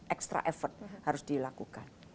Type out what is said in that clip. extra effort harus dilakukan